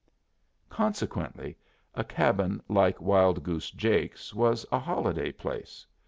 Consequently a cabin like Wild Goose Jake's was a holiday place.